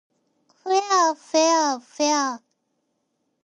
ふぇあふぇわふぇわ